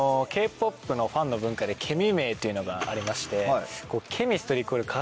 Ｋ−ＰＯＰのファンの文化でケミ名というのがありまして。